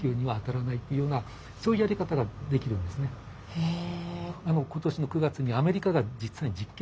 へえ。